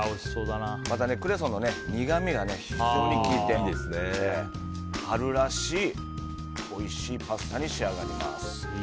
クレソンの苦みが非常に効いて春らしいおいしいパスタに仕上がります。